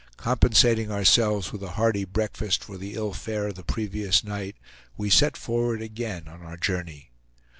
Compensating ourselves with a hearty breakfast for the ill fare of the previous night, we set forward again on our journey.